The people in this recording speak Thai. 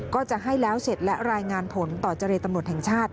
ก็จะให้แล้วเสร็จและรายงานผลต่อเจรตำรวจแห่งชาติ